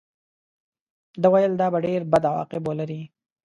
ده ویل دا به ډېر بد عواقب ولري.